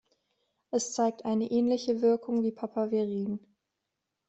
Es zeigt eine ähnliche Wirkung wie Papaverin.